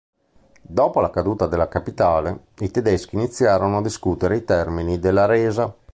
Dopo la caduta della capitale, i tedeschi iniziarono a discutere i termini della resa.